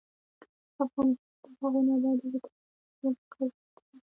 افغانستان تر هغو نه ابادیږي، ترڅو د ځمکو غصب ختم نشي.